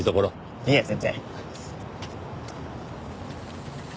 いえ全然。